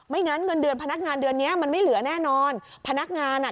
งั้นเงินเดือนพนักงานเดือนเนี้ยมันไม่เหลือแน่นอนพนักงานอ่ะ